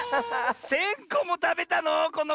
１，０００こもたべたの？